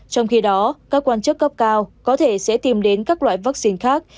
trong khi đó các quan chức cấp cao có thể sẽ tìm đến các loại vaccine khác